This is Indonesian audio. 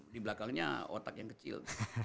di belakangnya otak yang kecil